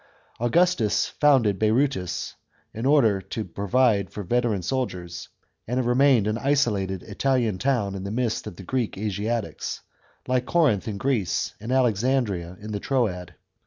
Augustus founded Berytus in order to provide for veteran soldiers, and it remained an isolated Italian town in the midst of the Greek Asiatics, — like Corinth in Greece, and Alexandria in the Troad.